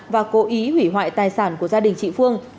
và cố ý hủy hoại tài sản của gia đình chị phương